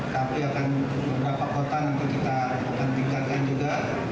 tapi akan beberapa kota nanti kita akan tingkatkan juga